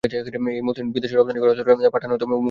এই মসলিন বিদেশে রপ্তানি করা হত না, পাঠানো হতো মোঘল রাজ দরবারে।